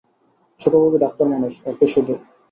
ছোটবাবু ডাক্তার মানুষ ওঁকে শুধো।